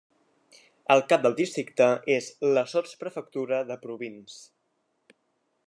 El cap del districte és la sotsprefectura de Provins.